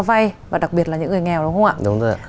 vay và đặc biệt là những người nghèo đúng không ạ đúng rồi ạ